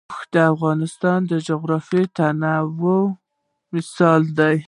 اوښ د افغانستان د جغرافیوي تنوع مثال دی.